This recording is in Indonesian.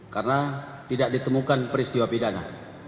karena tidak ditemukan peristiwa pidana